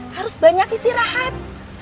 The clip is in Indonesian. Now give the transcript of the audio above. harus banyak istirahat